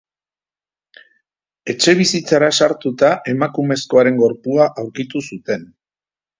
Etxebizitzara sartuta, emakumezkoaren gorpua aurkitu zuten.